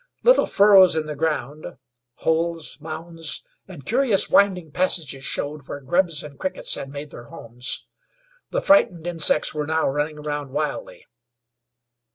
Little furrows in the ground, holes, mounds, and curious winding passages showed where grubs and crickets had made their homes. The frightened insects were now running round wildly.